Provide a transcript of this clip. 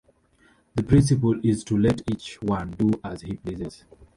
The principle is to let each one do as he pleases.